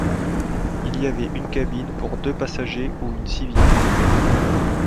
Il y avait une cabine pour deux passagers ou une civière.